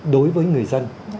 đối với người dân